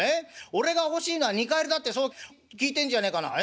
俺が欲しいのは二荷入りだってそう聞いてんじゃねえかな。